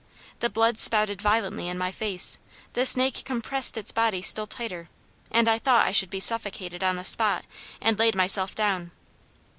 The blood spouted violently in my face; the snake compressed its body still tighter, and I thought I should be suffocated on the spot, and laid myself down.